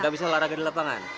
gak bisa olahraga di lapangan